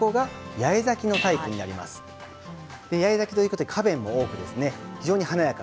八重咲きということで花弁も多く非常に華やか。